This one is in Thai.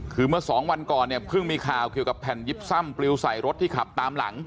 คือเมื่อสองวันก่อนเนี่ยเพิ่งมีข่าวเกี่ยวกับแผ่นยิบซ่ำปลิวใส่รถที่ขับตามหลัง